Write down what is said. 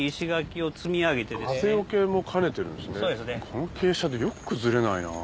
この傾斜でよく崩れないな。